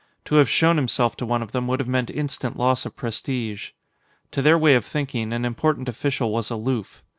To have shown himself to one of them would have meant instant loss of prestige. To their way of thinking, an important official was aloof.